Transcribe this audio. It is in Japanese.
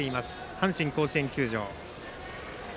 阪神甲子園球場。